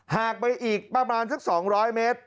หากไปอีกประมาณสัก๒๐๐เมตร